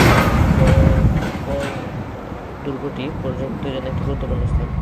দরাবড় দুর্গটি পর্যটকদের জন্য একটি গুরুত্বপূর্ণ স্থান।